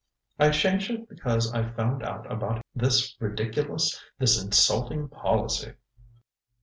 "I changed it because I found out about this ridiculous, this insulting policy."